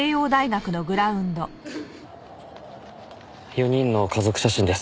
４人の家族写真です。